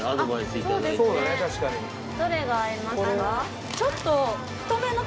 どれが合いますか？